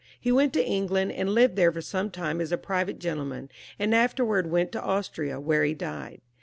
He went to England and lived there for some time as a private gentleman, and afterwards went to Austria, where he died.